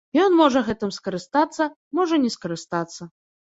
Ён можа гэтым скарыстацца, можа не скарыстацца.